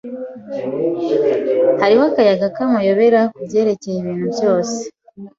Hariho akayaga k'amayobera kubyerekeye ibintu byose.